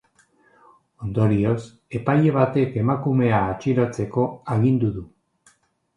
Ondorioz, epaile batek emakumea atxilotzeko agindu du.